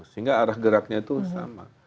sehingga arah geraknya itu sama